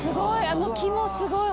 あの木もすごいほら。